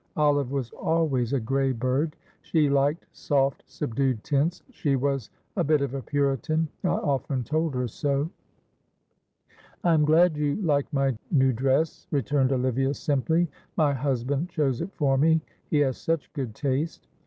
"Olive was always a grey bird; she liked soft, subdued tints; she was a bit of a Puritan. I often told her so." "I am glad you like my new dress," returned Olivia, simply. "My husband chose it for me, he has such good taste."